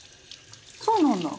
そうなんだ。